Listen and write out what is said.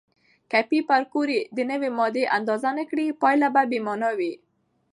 که پېیر کوري د نوې ماده اندازه نه کړي، پایله به بې معنا وي.